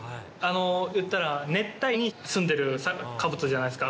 いったら熱帯に住んでるカブトじゃないですか。